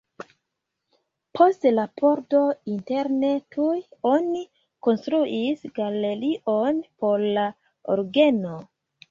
Post la pordo interne tuj oni konstruis galerion por la orgeno.